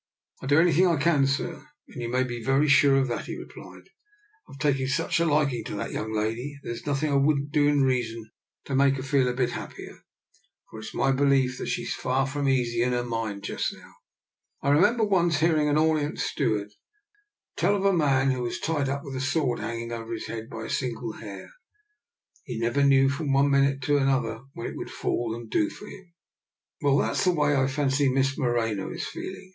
"" I'll do anything I can, sir, and you be very sure of that," he replied. " I've ta| such a liking to that young lady that th< nothing I wouldn't do in reason to mak< feel a bit happier. For it's my belief DR. NIKOLA'S EXPERIMENT. 8 1 she's far from easy in her mind just now. I remember once hearing an Orient steward tell of a man who was tied up with a sword hang ing over his head by a single hair: he never knew from one minute to another when it would fall and do for him. Well, that's the way, I fancy. Miss Moreno is feeling.